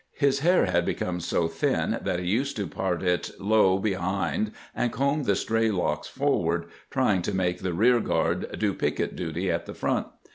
His hair had become so thin that he used to part it low behind and comb the stray locks forward, trying to make the rear guard do picket duty at the front.